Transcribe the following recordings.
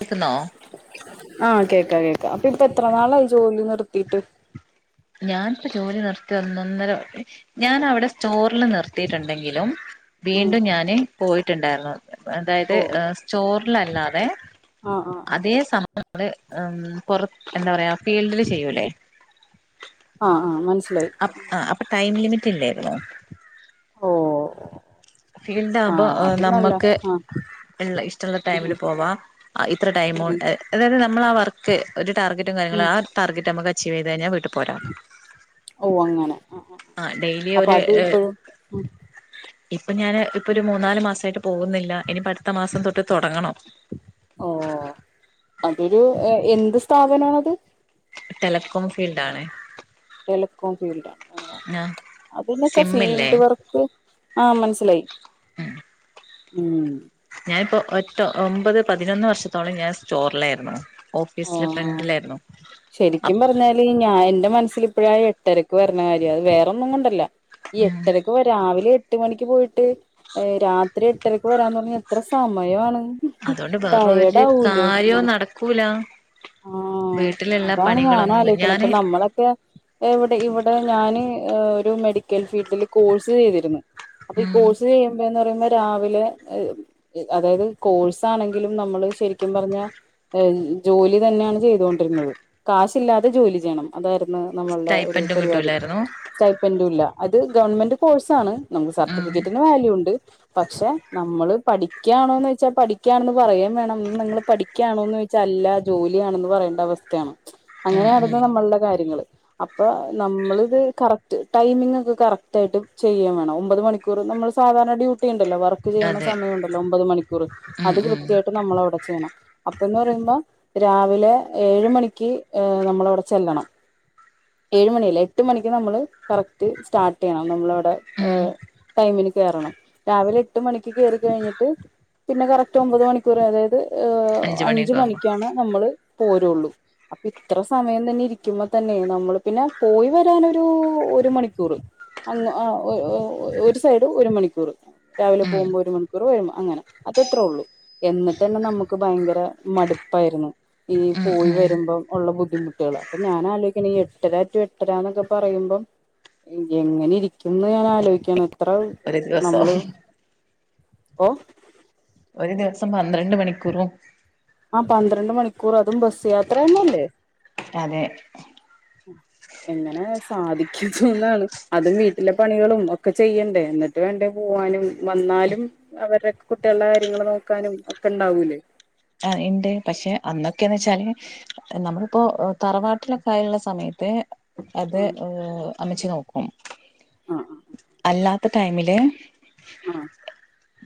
കേക്കുന്നോ ആ കേക്കാ കേക്കാ ഇപ്പ എത്ര നാളായി ജോലി നിർത്തിയിട്ട് ഞാനിപ്പോ ജോലി നിർത്തി ഒന്നൊന്നര ഞാൻ അവിടെ സ്റ്റോർ ല് നിർത്തിയിട്ടുണ്ടെങ്കിലും ഉം വീണ്ടും ഞാന് പോയിട്ടുണ്ടായിരുന്നു അതായത് ഓ ഏഹ് സ്റ്റോറിലല്ലാതെ ആഹ് ആഹ് അതേ ആഹ് സ അത് അം കൊറ എന്താ പറയാ ഫീൽഡില് ചെയ്യൂല്ലേ ആ ആ മനസ്സ് അപ്പ് അ ടൈം ലിമിറ്റ് റ്റില്ലായിരുന്നു ഓ ഓ ഓ ഫീൽഡ് ആകുമ്പോ നമ്മക്ക് ആഹ് ള്ള ഇഷ്ടള്ള ഉം ടൈമിന് പോവാം ആ ഇത്ര ടൈമ് ഉം ഉം കൊണ്ട് ആ അതായത് നമ്മളാ ആ വർക്ക് ഒരു ടാർഗറ്റും കാര്യങ്ങളും ഉം ആ ടാർഗറ്റ് നമക്ക് ചെയ്ത് കഴിഞ്ഞാ വീട്ട് പോരാ, ഓ അങ്ങനെ ആഹ് ഡെയിലി അപ്പൊ ഒരു അത് ഇപ്പഴും ഉം ഇ പ്പോ ഞാൻ ഇപ്പ ഇ ഒരു മൂന്നാല് മാസമായിട്ടും പോകുന്നില്ല എനി പഠിത്ത ഓ അതൊരു എന്ത് സ്ഥാപനമാണത് ടെലക്കോം ഫീൽഡ് ആണേ ടെലികോം ഫീൽഡ ആണ് അതിന്നൊക്കെ സിമ്മില്ലേ ഫീൽഡ് വർക്ക് ആഹ മനസ്സിലായി ഉം ഉം ഞാനിപ്പോ ഒറ്റോ ഒമ്പത് പതിനൊന്ന് വർഷത്തോളം ഞാൻ സ്റ്റോറിലായിരുന്നു ഓഫീസിലെ ആഹ് ഫ്രണ്ടിലായിരുന്നു ശരിക്കും അപ് പറഞ്ഞാല് ഞാൻ എന്റെ മനസ്സിൽ ഇപ്പോഴായ എട്ടരക്ക് വരുന്ന കാര്യം അത് വേറെന്നും കൊണ്ടല്ല ഉം എട്ടരക്ക് രാവിലെ എട്ട് മണിക്ക് പോയിട്ട് രാത്രി എട്ടരക്ക് വരാന്ന് തു എത്ര സമയമാണ് അതുകൊണ്ട് വേറ ടയേർഡ് ഒരു ആവൂലേ കാര്യോ നടക്കൂല ആഹ് വീട്ടിൽ അതാണ് ഞാന ആലോിക്കണ ഇപ്പൊ നമ്മളൊക്കെ എവിടെ ഇവിടെ ഞാന് ഹ ഒരു മെഡിക്കൽ ഫീൽഡിൽ കോഴ്സ് ചെയ്തിരുന്നു അപ്പൊ ഈ ഉം കോഴ്സ് ചെയ്യുമ്പ എന്ന് പറയുമ്പോ രാവിലെ അതായത് കോഴ്സ് ആണെങ്കിലും നമ്മള് ശരിക്കും പറഞ്ഞ ജോലി തന്നെയാണ് ചെയ്തൊണ്ടിരുന്നത് കാശില്ലാതെ ജോലി ചെയ്യണം അതായത് നമ്മൾ ടെ ഒരു സ്റ്റൈപ്പന്റും പരിപാടി കിട്ടൂലായിരുന്നു [unintelligible] ഗവൺമെന്റ് കോഴ്സ് ആണ് നമുക്ക് ഉം സർട്ടിഫിക്കറ്റിന് വാല്യൂ ഉണ്ട് പക്ഷെ നമ്മള് പഠിക്കാണോന്ന് വച്ചാൽ പഠിക്കയാണെന്ന് പറയാൻ വേണം നിങ്ങള്ൾ പഠിക്കുകയാണോന്ന് ചോച്ചാൽ അല്ല ജോലിയാണെന്ന് പറയേണ്ട അവസ്ഥയാണ് ഉം അങ്ങനെയ ഉം നടന്ന് നമ്മളുടെ കാര്യങ്ങള് അപ്പൊ നമ്മൾത് കറക്റ്റ് ടൈമിംഗ ഒക്കെ കറക്റ്റ് ആയിട്ട് ചെയ്യാൻ വേണം ഒമ്പത് മണിക്കൂർ നമ്മൾ സാധാരണ ഡ്യൂട്ടി ല വർക്ക് ചെയ്യണ അതെ സമയണ്ടല്ലോ ഒമ്പത് മണിക്കൂർ ഉം അത് ഉം കൃത്യായിട്ട് നമ്മള്വ്ടെ ചെയ്യണം അപ്പംന്ന്റയുമ്പോ രാവിലെ ഏഴ്മണിക്ക് ക്ക് നമ്മളവിടെ ചെല്ലണം ഏഴ്മണിയല്ല എട്ട് മണിക്ക് നമ്മള് കറക്റ്റ് സ്റ്റാർട്ടെയ്യണം നമ്മളവിടെ ഉം ഹ് അഞ്ച് മണിയൊക്കെ ആവുമ്പോ മണിക്കാണ് നമ്മള് പോരൊള്ളൂ അപ്പൊ ഇത്ര സമയം തന്നെ ഇരിക്കുമ്പോ തന്നെ നമ്മള് പിന്നെ പോയി വരാനൊരു ഒരു മണിക്കൂറ് അങ്ങ് ആ ഒ ഒ ഒ ഒരു സൈഡ് ഒരു മണിക്കൂറ് രാവിലെ ഉം പോവുമ്പോ ഒരു മണിക്കൂറ് വരുംബോ അങ്ങനെ അതത്രേ ഉള്ളൂ എന്നിട്ട്ന്നെ നമുക്ക് ഭയങ്കര മടുപ്പായിരുന്നു ഈ ഉം പോയി ഉം വരുമ്പം ഉള്ള ബുദ്ധിമുട്ടേള് അപ്പൊ ഞാനാലോയ് ക്കാണ് ഈ എട്ടര ടു എട്ടര എന്നൊക്കെ പറയുമ്പം എങ്ങനെ ഇരിക്കുംന്ന് ഞാൻ ആലോയ്ക്കാണ് ത്രഉ ഒരു നമ്മള് ദിവസം ഓഹ് ഒരു ദിവസം പന്ത്രണ്ട് മണിക്കൂറും ആ പന്ത്രണ്ട് മണിക്കൂറ് അതും ബസ് യാത്രന്നെല്ലേ അതെ എങ്ങനെ സാധികുംന്നാണ് അതും വീട്ടിലെ പണി ആ ഇണ്ട് പക്ഷെ അന്നൊക്കെന്ന്ച്ചാല് നമ്മളിപ്പോ തറവാട്ടിലൊക്കെ ആയുള്ള സമയത്ത് ആ അതെ [unintelligible] അമ്മച്ചി നോക്കും ആ ഇല്ലാത്ത ടൈമില് ആഹ്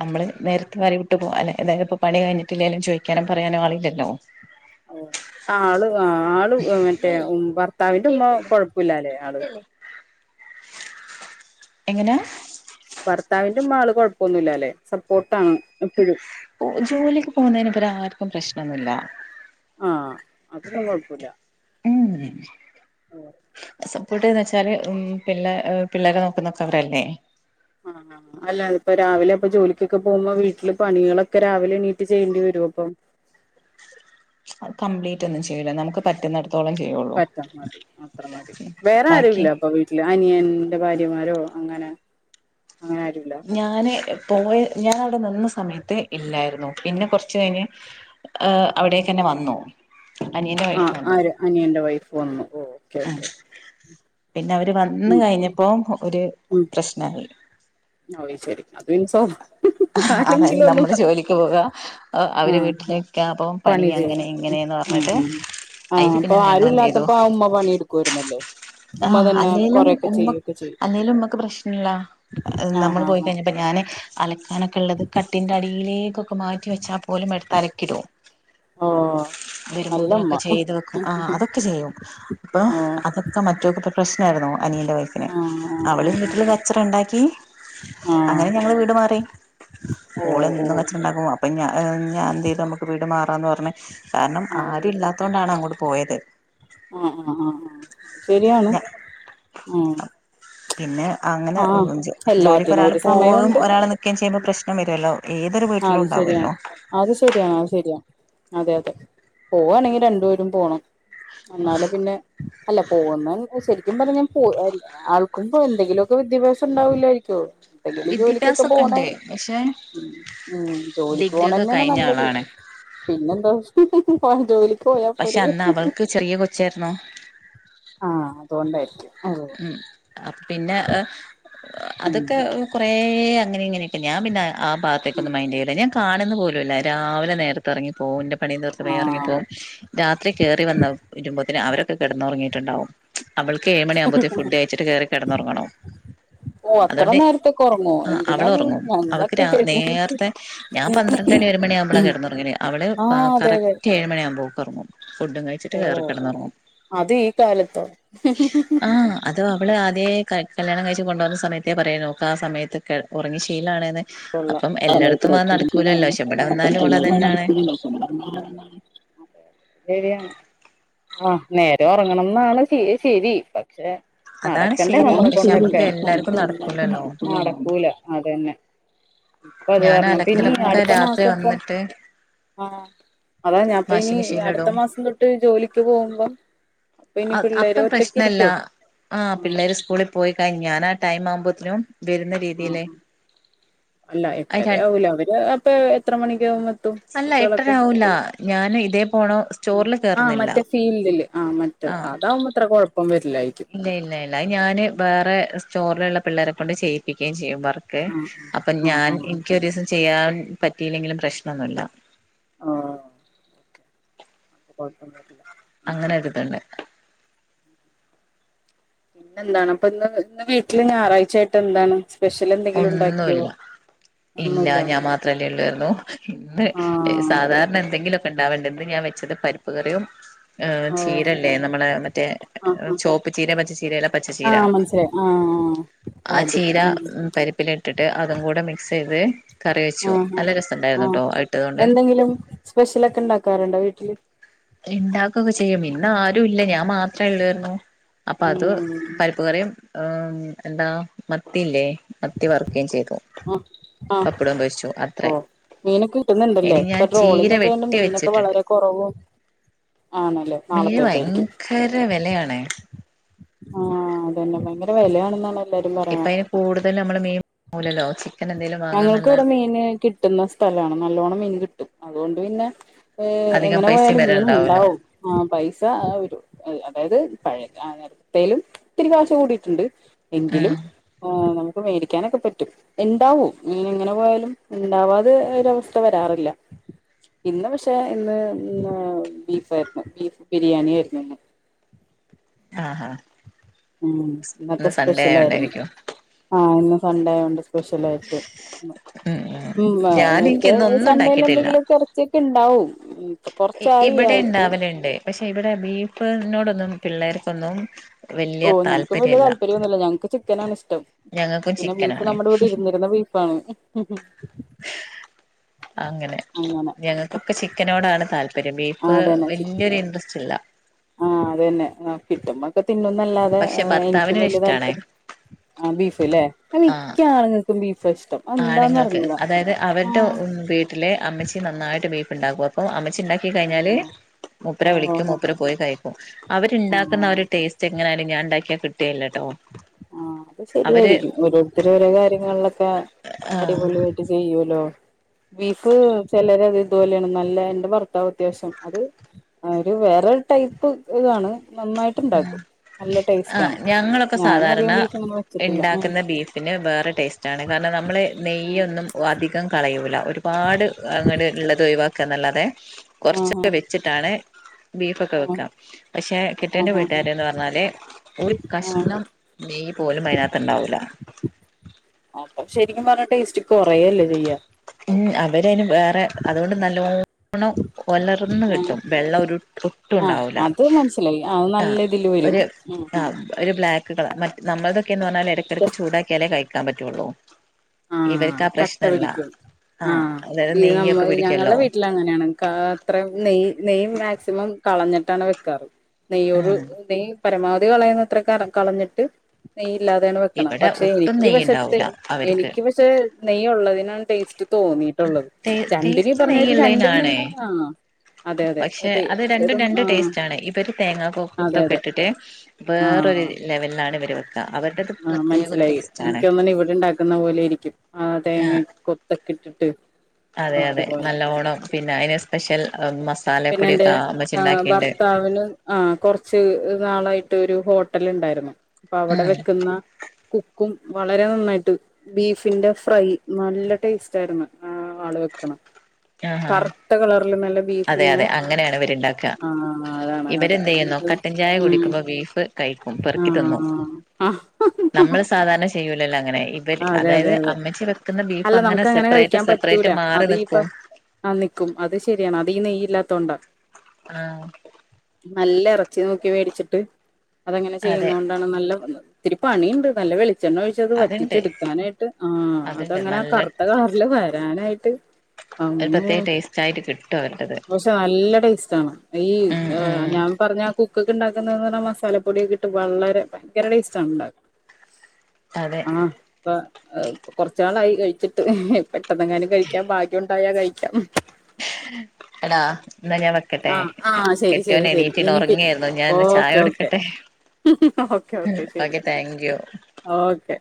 നമ്മള് നേരത്തെ അരി വിട്ട് പോ അല്ലേ അതായത് ഇപ്പോ പണി കഴിഞ്ഞിട്ടില്ലേ ലും ചോയിക്കാനും പറയാനോ ആളില്ലല്ലോ ആളില്ലല്ലോ ഓആ ആള് ആ ആള് മറ്റേ ഉം ഭർത്താവിന്റെ ഉമ്മ കൊഴപ്പുല്ലല്ലേ ആള് എങ്ങനെയാ ഭർത്താവിന്റെമ്മ ആള് കുഴപ്പൊന്നുല്ലലെ സപ്പോർട്ടാണ് എപ്പോഴും ഉം ഓ ജോലിക്ക് പോകുന്നതിന് ഇബരാരു ഇപ്പം പ്രശ്നൊന്നുല്ല ആഹ് അതൊന്നും കൊഴപ്പല്ല ഉം ഉം പ്പോട്ടേന്ന് വെച്ചാല് ഉം പിള്ളേ പിള്ളേരെ നോക്കുന്നൊക്കെ അവരല്ലേ ആ അല്ല അത് പ്പ രാവിലെ ഇപ്പൊ ജോലിക്കൊക്കെ പോവുമ്പോ വീട്ടില് പണികളൊക്കെ രാവിലെ എണീറ്റ് ചെയ്യേണ്ടി വരൊ അപ്പം അ കംപ്ലീറ്റ് ഒന്നും ചെയ്യില്ല നമുക്ക് പറ്റുന്ന പറ്റാ മതി അത്ര മതി വേറെ ബാക്കി ആരുല്ല അപ്പ വീട്ടില് അനിയൻ ന്റെ ഭാര്യമാരോ അങ്ങനെ അങ്ങനെ ആരുല്ല ഞാന് പോയ ഞാവിടെ നിന്നസ സമയത്ത് ഇല്ലായിരുന്നു പിന്നെ കൊറച്ച് കൈഞ്ഞ് ആഹ് അവിടെക്കന്നെ വന്നോ ആ ആര് അനിയന്റെ വൈഫ് പൊ വന്നു ഓ ഓക്കെ ആ ഓക്കെ [unintelligible] ഹ പിന്നെ അവര് വന്ന് ഉം ഉം കഴിഞ്ഞപ്പോ ഒരു പ്രശ്നായി ആഹ് ശരി അതിൻസോ അതായത് നമ്മള് ജോലിക്ക് പോകാ അവര് ആഹ് വീട്ടില്ക്ക അപ്പ പണി അങ്ങനെ ചെയ്യും ഉം ഇങ്ങനെന്ന് ഉം പറഞ്ഞിട്ട് ഉം ആഹ് അതിന് അപ്പൊ പിന്നെ ഞങ്ങൾ ആരും എന്ത് ചെയ്തു ഇല്ലാത്തപ്പോ ആ ഉമ്മ പണിയെടുക്കുവായിരുന്നല്ലേ ആ ഉമ്മ തന്നെ അല്ലേലും കൊറെയൊക്കെ ഉമ്മ ചെയ്യൊക്കെ ചെയ്യും അല്ലേലും ഉമ്മക്ക് പ്രശ്നല്ല ആഹ് നമ്മള് ആഹ് ആഹ് പോയിക്കഴിഞ്ഞപ്പോ ഞാന് അലക് എനക്കില്ലത് കട്ടിന്റെ അടിയിലെ ൊ [unintelligible] ക്കെ മാറ്റിവച്ചാൽ പോലും എടുത്ത് അലക്കിടും ഓ നല്ലമ്മ വരുമ്പോതിനൊക്കെ ചെയ്ത് വെക്കും ആ അതൊക്കെ ചെയ്യും അപ്പൊ ഓ അതൊ- മറ്റൊക്ക്‌ ഇപ്പ പ്രശ്നായിരുന്നു അനിയന്റെ വൈഫിനെ ആഹ് ആഹ് അവള് ആഹ് വീട്ടില് കച്ചറണ്ടാക്കി ആഹ് ആഹ് അങ്ങനെ ഞങ്ങള് വീട് മാറി ഓ ഓള് എന്നും ഓ കച്ചറണ്ടാക്കും അപ്പൊ ഞൻ ഞാൻ എന്ത് ചെയ്തു നമുക്ക് വീട് മാ - അപ്പോന്ന് പറഞ്ഞൽ [unintelligible] കാരണം അതെ ആരും ഇല്ലാത്തോണ്ടാണ് അങ്ങോട്- പോയത് ആഹ് ആഹ് ആ ഹ് അഹ് ശരിയാണ് ആഹ് പിന്നെ അങ്ങനെ ജോലിക്ക് എല്ലാത്തിനും ഒരാള് ഒരു പോകും സമയമുണ്ട് ഒരാൾ നിക്കുയും ചെയ്യുമ്പോ ഉം പ്രശ്നം വരുല്ലോ ഏതൊരു വീട്ടിലും അത് ശരിയാണ് ഉണ്ടാവല്ലോ അത് ശരിയാണ് അത് ശരിയാണ് അതെ അതെ പോവാണെങ്കിൽ രണ്ടുപേരും പോണം. എന്നാല് പിന്നെ അല്ല പോകുന്നതിന് ശരിക്കും പറഞ്ഞാല്. പോവായിരുന്നു ആർക്കും ഇപ്പൊ എന്തെങ്കിലും. ഇപ്പൊ വിദ്യാഭ്യാസം ഉണ്ടാവൂല്ലായിരിക്കും. തയ്യലും ജോലിക്കൊക്കെ വിദ്യാഭ്യാസൊക്കെ ഉണ്ട് പോണായിരുന്നു പക്ഷെ ഉം ഉം ജോലിക്ക് ഡിഗ്രി ഒക്കെ പോണെനാണ് കഴിഞ്ഞ നല്ലത് ആളാണ് പിന്നെ എന്താവെച്ചാൽ. [unintelligible] പക്ഷെ അന്ന് അവൾക്ക് ചെറിയ കൊച്ചായിരുന്നു. ആഹ് അതുകൊണ്ടായിരിക്കും ഉം അപ്പോ പിന്നെ ഏഹ്. ഉം അതൊക്കെ കൊറെ. കൊറെ അങ്ങനെ ഇങ്ങനെ ഒക്കെ ഞാൻ പിന്നെ. ആഹ് ഉം ഭാഗത്തേക്കൊന്നും മൈൻഡ് ചെയ്യൂല ഞാൻ. കാണുന്നു പോലുമില്ല രാവിലെ നേരത്തെ ഇറങ്ങി പോകലും. പണി തീർത്ത് വേഗം ആഹ് ഇറങ്ങിപ്പോകും, രാത്രി കയറി വന്ന വരുമ്പോത്തന് അവര്. കെടന്നാെറങ്ങീട്ട്ണ്ടാവും അവൾക്ക് ഏഴ് മണ്യാവുമ്പോത് ഫുഡ് കയ്ച്ച്ട്ട് കേറി കെടന്നൊറങ്ങണം ഓ അത്ര അതോണ്ട് നേരത്തൊക്കെ ഒറങ്ങോ ആഹ് എന്തിനാത് അവളൊറങ്ങും അവക്ക് ഞങ്ങളൊക്കെ രാ എഴുന്നേൽക്കും നേർത്തെ ഞാം പന്ത്രണ്ടണി ഒര് മണ്യാവ്‌മ്പളാ കെടന്നൊറ്ങ്ങല് അവള് പ കറക്റ്റ് ഏഴ് മണിയാവ് ഓക്കെറ്ങ്ങും ഓഹ് അതും ഈ കാലത്തോ അതോ അവള് അദ്യേ കല്യാണം കഴിച്ച് കൊണ്ടുവന്ന സമയത്തേപറയും ഓക്ക് ആ സമയത്ത് കെ ഉറങ്ങി ശീലാണ്. [unintelligible] പക്ഷെ ഇവിടെ വന്നാലും ഓള് അതന്നാണ് ശെരിയാണ് ആ നേരെ ഉറങ്ങണംന്നാണ് ശരി. പക്ഷെ അതാണ് നടക്കണ്ടേ ശരി പക്ഷെ നമ്മളെക്കൊണ്ടൊക്കെ നമ്മക്ക് എല്ലാർക്കും നടക്കൂലല്ലോ നടക്കൂല അതന്നെ ഇപ്പ അത് ഞാന് കാരണം പിന്നെ അലക്കലൊക്കെ രാത്രി വന്നിട്ട് ആ അതാ ഞാൻപ്പ ഇനി വാഷിംഗ് അടുത്ത മെഷീനിലിടും മാസം തൊട്ട് ജോലിക്ക് പോകുമ്പം അപ്പൊ ഇനി അ പിള്ളേര് അപ്പ ഒറ്റക്ക് പ്രശ്നില്ല ഇരിക്കോ ആ ആഹ് പിള്ളേര് സ്കൂളിൽ പോയി കഴിഞാല് ടൈം ആവുമ്പോത്തനും ആ അല്ല അത് എട്ടരയാവൂല അവര് അപ്പൊ എത്ര മണിയൊക്കെയാകുമ്പോ അല്ല എട്ടരവൂല ഞാന് ഇതേ പോണ സ്റ്റോറില് ആഹ് കേറുന്നില്ല. മറ്റേ ഫീൽഡില് ആഹ് മറ്റേ ആ അതാവുമ്പോ [unintelligible] ഇല്ല ഇല്ല ഇല്ല ഞാന് വേറെ സ്റ്റോറിലുള്ള പിള്ളേരെ കൊണ്ട് ചെയ്യിപ്പിക്കുകയും ചെയ്യും വർക്ക് കെ ആഹ് അപ്പൊ ആഹ് ഞാൻ ആഹ് എനിക്കൊരീസം ചെയ്യാൻ പറ്റിയില്ലെങ്കിലും പ്രശ്നമൊന്നുമില്ല ആ കൊണ്ടന്നട്ടില്ല അങ്ങനെയൊരിതൊണ്ട്. പിന്നെന്താണ് അപ്പൊ ഇന്ന് ഇന്ന് വീട്ടില് ഞായറാഴ്ചായിട്ട് എന്താണ് സ്പെഷ്യൽ എന്തെങ്കിലും ഉണ്ടാക്കിയോ. ഒന്നുമില്ല ഒന്നൂല്ല ള്ളത് ഇന്ന് സാധാരണ എന്തെങ്കിലും ഉണ്ടാവേണ്ടത് ഞാൻ വെച്ചത് പരിപ്പ് കറിയും ഏ ഓഹ് ചീരല്ലേ നമ്മള മറ്റേ ആഹ് ആഹ് ചോപ്പ് ചീര പച്ചച്ചീരല്ല പച്ചച്ചീര. ആഹ് മനസ്സിലായി ആഹ് ആ ഓ അത് ചീര ഉം ഇട്ടട്ട് അതും കൂടെ മിക്സ് ചെയ്ത് കറി വെച്ചു ആഹഹ നല്ല ആ രസമുണ്ടായിരുന്നു കേട്ടോ ഇട്ടത് കൊണ്ട് എന്തെങ്കിലും സ്പെഷ്യലൊക്കെ ഉണ്ടാക്കാറുണ്ടോ വീട്ടില്. ഇണ്ടാക്കുകൊക്കെ ചെയ്യും ഇന്ന ആരുും ഇല്ല ഞാൻ മാത്രേ ഉള്ളരുന്നു അപ്പൊ അത് ഉം പരിപ്പ് കറിയും ഹ എന്താ മത്തില്ലേ ആ ആ പപ്പടം പൊരിച്ചു ഓ അത്രേ മീനൊക്കെ ഇനി കിട്ടുന്നുണ്ടല്ലേ ഞാൻ ചീര പെട്രോളിംഗ ഒക്കെ കണ്ട് വെട്ടി മീനൊക്കെ വളരെ കുറവും. ആണല്ലേ മീൻ നാളത്തേക്കായിരിക്കും ഭയങ്കര വിലയാണെ ആഹ അതന്നെ ഭയങ്കര വെലയാണ് [unintelligible] ഇപ്പ അതിന് കൂടുതൽ നമ്മള് മീ [unintelligible] ഞങ്ങൾക്കിവിടെ മീന് കിട്ടുന്ന സ്ഥലാണ് നല്ലോണ്ണം മീൻ കിട്ടും അതുകൊണ്ട് പിന്നെ ഏ അധികം എങ്ങനെ പൈസയും പോയാലും വരണ്ടാവൂലോ മീന്ണ്ടാവും ആ പൈസ ഒരു അതായത് പഴയ ആ എപ്പേലും ത്തിരി കാശ് കൂടിയിട്ടുണ്ട് എങ്കിലും ഉം ആ മേടിക്കാനൊക്കെ പറ്റും ഉണ്ടാവും ഇന എങ്ങനെ പോയാലും ഉണ്ടാവാതെ ഒരവസ്ഥ വരാറില്ല. ഇന്ന് പക്ഷെ ഇന്ന് ന്ന് ബീഫായിരുന്നു. ബീഫ് ബിരിയാണിയിരുന്നു ഇന്ന് ആഹ ഉ എന്നൊക്കെ സ്പെഷ്യൽ ആയിരുന്നു ആഹ [unintelligible] സ്പെഷ്യലായിട്ടും. ഉം ഉം ഞാൻ മിക്ക എനിക്കിന്ന് ഒന്നും സണ്ടേൽ ഉണ്ടാക്കിട്ടില്ല എന്തെങ്കിലുമൊക്ക ഇറച്ചിയൊക്കെ ഉണ്ടാവും ഉം ഇപ്പൊ കൊറച്ചായി ഇവിടെ ആയിട്ട് ഉണ്ടാവലുണ്ട് പക്ഷെ ഇവിടെ ബീഫ് നോടൊന്നും പിള്ളേർക്കൊന്നും ഓ വലിയ ഞങ്ങക്കും വലിയ താല്പര്യല്ല താല്പര്യൊന്നുല്ല ഞങ്ങക്ക് ചിക്കനാണ് ഇഷ്ടം ഞങ്ങൾക്കും പിന്നെ ബീഫ് ചിക്കനാണ് നമ്മുടെയീടെ ഇരുന്നിരുന്ന ബീഫാണ് അങ്ങനെ നോടാണ് താല്പര്യം. ബീഫ് വല്യ ഒര് ഇന് ഇല്ല ആഹ അത തന്നെ കിട്ടും തിന്നുന്നല്ലാതെ പക്ഷെ എനിക്കും ഭർത്താവിനും വല്യ ഇഷ്ടാണ് താല്പര്യം ബീഫ് ലെ ആ സ് ആണുങ്ങൾക്ക് അതായത് അവരുടെ ഉ വീട്ടിലെ അമ്മച്ചി നന്നായിട്ട് ബീഫ് ഉണ്ടാക്കും അപ്പം ച്ച്ണ്ടാക്കി ആ കഴിഞ്ഞാല് മൂപ്പരെ ഓ വിളിക്കും ഓ മൂപ്പര് പോയി ഓ കയിക്കും. അവര്ണ്ടാക്കുന്നാ ഒര് ടേസ്റ്റ് [unintelligible] ഞാ ണ്ടാക്കിയാ കിട്ടില്ല ആ അത് ശരിയായിരിക്കും ഓരോരുത്തർ ഓരോ കാര്യങ്ങളിലൊക്കെ ആഹ് അടിപൊളിട്ട് ചെയ്യൂലോ ബീഫ് ചെലര അത് ഇതുപോലെയാണ് നല്ല എന്റെ ഭർത്താവ് അത്യാവശ്യം അത് ഒരു വേറെ ടൈപ്പ് ഇതാണ് നന്നായിട്ടുണ്ടാക്കും നല്ല ആഹ് ടേസ്റ്റാണ് ഞങ്ങളൊക്കെ സാധാരണ ണ്ടാക്കുന്ന ബീഫിന് വേറെ ടേസ്റ്റാണ് കാരണം നമ്മൾ നെയ്യൊന്നും അധികം കളയു തില ഒരുപാട് അങ്ങനെ ള്ളത് ഒഴവാക്കുക എന്നല്ലാതെ ആഹ് കൊറച്ചൊക്കെ വെച്ചിട്ടാണ് ബീഫൊക്കെ ആഹ് വെക്കാം പക്ഷെ ചറ്റേന്റെ ആഹ് ആഹ് വീട്ടുകാരന്ന് പറഞ്ഞാല് ഒരു ആഹ് കഷ്ണം നെയ് പോലും അതിനകത്ത് ഉണ്ടാവൂല്ല അപ്പൊ ശരിക്കും പറഞ്ഞ ടേസ്റ്റ് കുറേല്ലേ ചെയ്യ ഉ അവര് എന് വേറെ അതുകൊണ്ട് നല്ലോണംലർന്ന് ആഹ് കിട്ടും വെള്ളം ആഹ് ഒട്ടുംണ്ടാവില്ല അത് മനസ്സിലായി അത് ആ നല്ല ഇതില് വരും ഒരു ഉം ഉം മ നമ്മള എന്ന് പറഞ്ഞാൽ ഇരക്കടക്ക് ചൂടാക്കിയാലെ കും കിക്കാൻ പറ്റുള്ളൂ ഇവർക്ക്പ്രശ്നല്ല ആഹ ത് നമ്മ ഞങ്ങളുടെ വീട്ടിൽ അങ്ങനെയാണ് അത്ര നെയ് നെയം മാക്സിമം കളഞ്ഞിട്ടാണ് വെക്കാറ് നെയ ഒരു ഉം നെയ പരമാവധി കളയുന്നത്ര കളഞ്ഞിട്ട് ഇല്ലാതെയാണ് വെക്കണം ഇവിടെ പക്ഷെ ഒട്ടും എനിക്ക് പക്ഷത്തെ നെയ്യ്ണ്ടാവൂല അവർക്ക് എനിക്ക് പക്ഷെ നെയ്യ ഉള്ളതിനന് സ്റ്റ് തോന്നീട്ടുള്ളത് ടേ രണ്ടുനീ ടേസ്റ്റ് പറഞ്ഞ് രണ്ടുന നെയ്യ്ള്ളേനാണേ അ പക്ഷെ അത് രണ്ടും രണ്ട ആഹ് ടേസ്റ്റ് ആണ് ഇവര് അതെ തേങ്ങത്തൊക്കെ അതെ ഇട്ടിട്ട് വേറരു ലെവലിലാണ് ഇരു ആഹ മനസ്സിലായി എനിക്കൊന്നിന ഇവിടെ ഇണ്ടാക്കുന്ന പോലെയിരിക്കും ആ തേങ്ങ ആഹ് കൊത്തൊക്കെ ഇട്ടിട്ട് അതെ അതെ അതുപോലെ നല്ലോണം പിന്നെ അയിന് സ്പെഷ്യൽ പിന്നെ എന്റെ മസാലപ്പൊടിയൊക്കെ അമ്മച്ചി ആ ഇണ്ടാക്കിണ്ട് ഭർത്താവിന് ആ കുറച്ച് നാളായിട്ട് ഒരു ഹോട്ടല ഉണ്ടായിരുന്നു അപ്പൊ അവിടെ ഉം വെക്കുന്ന കുക്കും വളരെ നന്നായിട്ട് ബീഫിന്റെ ഫ്രൈ നല്ല ടേസ്റ്റ് ആയിരുന്നു ആ ആൾ വെക്കണം ആഹാ കറുത്ത കളറിൽ നല്ല ബ അതെ അതെ അങ്ങനെയാണ് ഇവര്ണ്ടാക്കുക അതാണ് അത ഇവർന്ത് ചെയ്യുന്നു ഇത് കട്ടൻചായ ഉം കുടിക്കുമ്പോ ബീഫ് കൈക്കും പെറുക്കി തിന്നും ആഹ് നമ്മൾ ആഹ് സാധാരണ ചെയ്യൂ ല്ലല്ല അങ്ങനെ ഇവര് അതെ അതായത് അതെ അതെ അമ്മച്ചി വെ കുന്ന ബീഫ് അങ്ങനെ സെപ്പറേറ്റ് സെപ്പറേറ്റ് ല മാറി അതീപ്പ നിക്കും ആ നിക്കും അത് ശരി ആണ് അതീ നെയ് ഇല്ലാത്തോണ്ട് ആ നല്ല ഇറച്ചി നോക്കി വേടിച്ചിട്ട് അതങ്ങനെ ചെയ്യുന്ന അതെ കൊണ്ടാണ് നല്ല വന്നത് ഒത്തിരി പണി ണ്ട് നല്ല വെളി ച്ചെണ്ണ ഒഴിച്ചത് അതുണ്ട് വറ്റിച്ചെടുക്കാനായിട്ട് ആ അതുണ്ട് അങ്ങനെ നല്ല കറുത്ത കളർല് വരാന ഇട്ട് ഒരു പ്രത്യേക ടേസ്റ്റ് ആയിട്ട് കിട്ടും അവരുടേത് പക്ഷെ നല്ല ടേസ്റ്റ് ആണ് ഈ ഉം ഉം ഞാൻ പറഞ്ഞ കു കുക്ക് ഉണ്ടാക്കുന്ന പറഞ്ഞാൽ മസാലപ്പൊടിയൊക്കെ ഇട്ട് വളരെ ഭയങ്കര ടേസ്റ്റ് ആണ് ണ്ടാ അതെ ആ ഇപ്പ കുറച്ച് നാളായി കഴിച്ചിട്ട് ടങ്ങാനും കഴിക്കാൻ ഭാഗ്യം ഉ ഉണ്ടായ കഴിക്കാം ഉം എടാ എന്നാ ഞാൻ വെക്കട്ടെ ആഹ് ആഹ് ശരി ശരി കെട്ടോന് ശരി എണീറ്റി ഇനി പി ഉറങ്ങിയായിരുന്നു ഞാൻ ചായ ഓക്കെ ഓക്കെ കൊടുക്കട്ടെ ഓക്കെ ശരി ഓക്കെ എന്നാ താങ്ക് യു ഓക്കെ